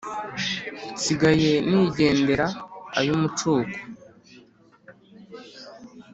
nsigaye nigendera ay’umucuko,